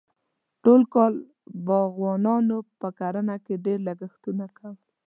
ټول کال باغوانانو په کرنه کې ډېر لګښتونه کول.